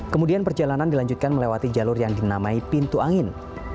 kemudian perjalanan dilanjutkan melewati jalur yang dinamai pintu angin